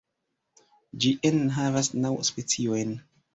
Ĝi enhavas naŭ speciojn.